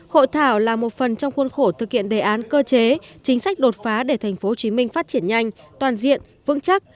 hội thảo là một phần trong khuôn khổ thực hiện đề án cơ chế chính sách đột phá để tp hcm phát triển nhanh toàn diện vững chắc